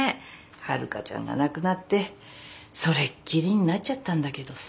遥ちゃんが亡くなってそれっきりになっちゃったんだけどさ。